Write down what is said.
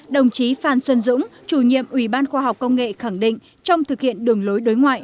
đồng chí phan xuân dũng chủ nhiệm ủy ban khoa học công nghệ khẳng định trong thực hiện đường lối đối ngoại